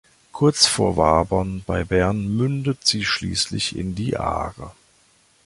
Kurz vor Wabern bei Bern mündet sie schliesslich in die Aare.